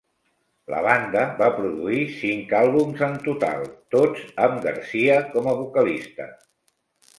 La banda va produir cinc àlbums en total, tots amb Garcia com a vocalista.